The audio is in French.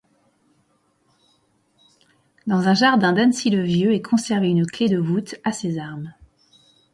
Dans un jardin d'Annecy-le-Vieux est conservée une clé de voûte à ses armes.